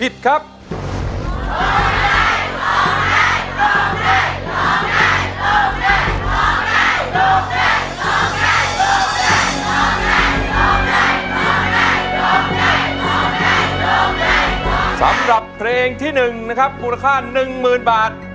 ได้ครับ